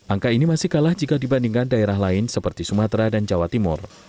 angka ini masih kalah jika dibandingkan daerah lain seperti sumatera dan jawa timur